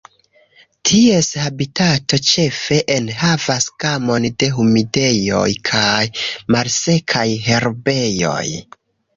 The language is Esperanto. Ties habitato ĉefe enhavas gamon de humidejoj kaj malsekaj herbejoj.